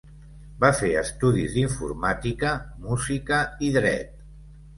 Va fer estudis d'informàtica, música i Dret.